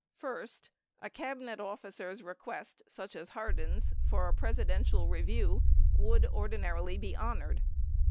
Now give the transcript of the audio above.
First, a Cabinet officer's request (such as Hardin's) for Presidential review would ordinarily be honored.